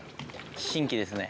新規ですね。